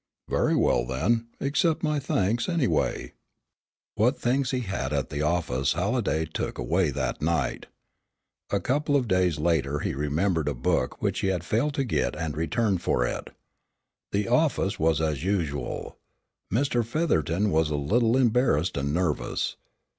"Very well, then accept my thanks, anyway." What things he had at the office Halliday took away that night. A couple of days later he remembered a book which he had failed to get and returned for it. The office was as usual. Mr. Featherton was a little embarrassed and nervous.